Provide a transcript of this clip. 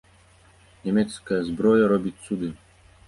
Нямецкая зброя робіць цуды.